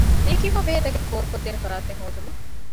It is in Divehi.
ލިޔެކިޔުމާބެހޭ ތަކެތި ފޯރުކޮށްދޭނެ ފަރާތެއް ހޯދުމަށް